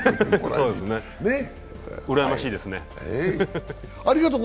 うらやましいですね。